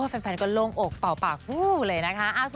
แฟนก็ลงอกเป่าปากเลยนะคะ